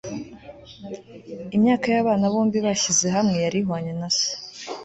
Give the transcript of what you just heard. Imyaka yabana bombi bashyize hamwe yari ihwanye na se